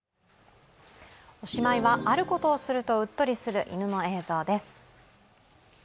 おしまいは、あることをするとうっとりする犬の映像です。